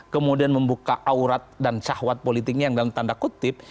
kemudian membuka aurat dan syahwat politiknya yang dalam tanda kutip